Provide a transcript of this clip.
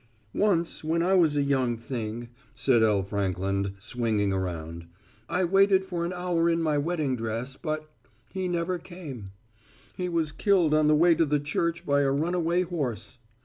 "Once when I was a young thing," said L. Frankland, swinging around, "I waited for an hour in my wedding dress, but he never came. He was killed on the way to the church by a runaway horse.